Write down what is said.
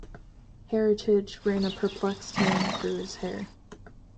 Heritage ran a perplexed hand through his hair.